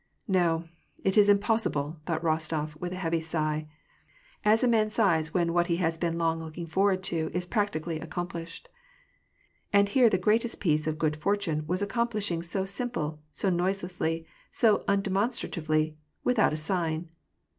" No, it is impossible !" thought Rostof, with a heavy sigh, as a man sighs when what he has been long looking forward to is practically accomplished. And here the greatest piece of good fortune was accomplishing so simply, so noiselessly, so undemonstratively, without a sign!